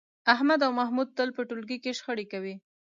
احمد او محمود تل په ټولگي کې شخړې کوي